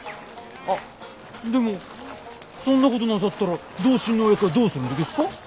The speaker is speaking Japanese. あっでもそんなことなさったら同心のお役はどうするんでげすか？